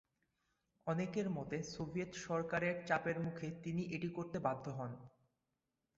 অনেকের মতে সোভিয়েত সরকারের চাপের মুখে তিনি এটি করতে বাধ্য হন।